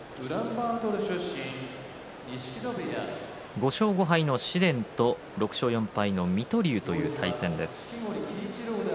５勝５敗の紫雷と６勝４敗の水戸龍という対戦です。